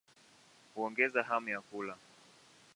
Huongeza hamu ya kula.